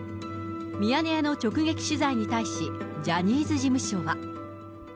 ミヤネ屋の直撃取材に対し、ジャニーズ事務所は。